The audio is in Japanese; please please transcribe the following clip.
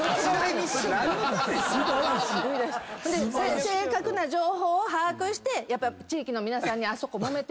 正確な情報を把握してやっぱ地域の皆さんに。